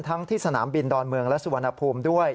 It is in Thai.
ที่สนามบินดอนเมืองและสุวรรณภูมิด้วย